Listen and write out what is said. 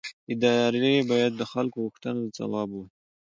ادارې باید د خلکو غوښتنو ځواب ووایي